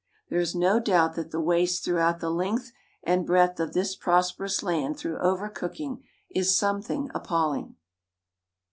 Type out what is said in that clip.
There is no doubt that the waste throughout the length and breadth of this prosperous land through over cooking is something appalling.